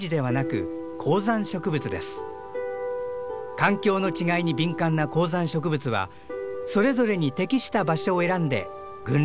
環境の違いに敏感な高山植物はそれぞれに適した場所を選んで群落をつくります。